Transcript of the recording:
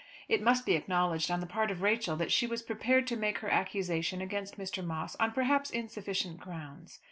It must be acknowledged on the part of Rachel that she was prepared to make her accusation against Mr. Moss on perhaps insufficient grounds.